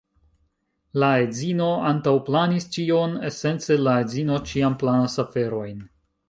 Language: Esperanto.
La edzino antaŭplanis ĉion, esence la edzino ĉiam planas aferojn.